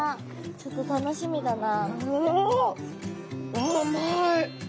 ちょっと楽しみだな。